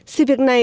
sự việc này